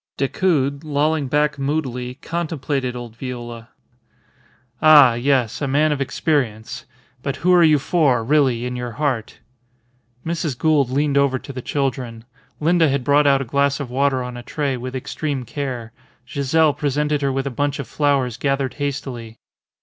Decoud, lolling back moodily, contemplated old Viola. "Ah! Yes. A man of experience. But who are you for, really, in your heart?" Mrs. Gould leaned over to the children. Linda had brought out a glass of water on a tray, with extreme care; Giselle presented her with a bunch of flowers gathered hastily.